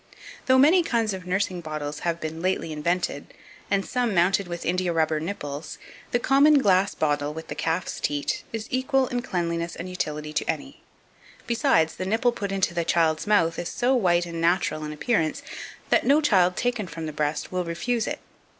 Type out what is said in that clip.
Though many kinds of nursing bottles have been lately invented, and some mounted with India rubber nipples, the common glass bottle, with the calf's teat, is equal in cleanliness and utility to any; besides, the nipple put into the child's mouth is so white and natural in appearance, that no child taken from the breast will refuse it.